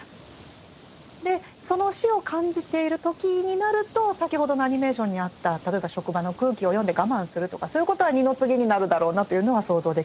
でその死を感じている時になると先ほどのアニメーションにあった例えば職場の空気を読んで我慢するとかそういうことは二の次になるだろうなというのは想像できますね。